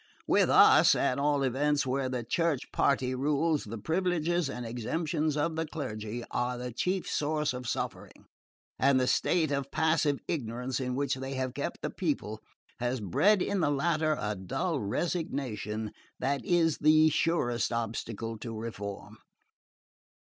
With us, at all events, where the Church party rules, the privileges and exemptions of the clergy are the chief source of suffering, and the state of passive ignorance in which they have kept the people has bred in the latter a dull resignation that is the surest obstacle to reform.